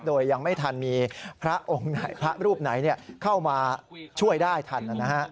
โดยยังไม่ทันมีพระองค์ไหนพระรูปไหนเข้ามาช่วยได้ทัน